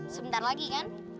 sebentar lagi ken